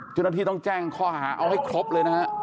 จุดนัดที่ต้องแจ้งความอาหารเอาให้ครบเลยนะ